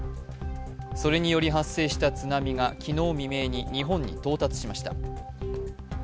それにより発生した津波が昨日未明に日本に到達しました。